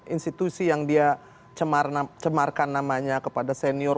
institusi yang dia cemarkan namanya kepada senior